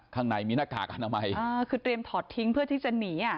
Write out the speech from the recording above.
ข้างในมีหน้ากากอนามัยเออคือเตรียมถอดทิ้งเพื่อที่จะหนีอ่ะ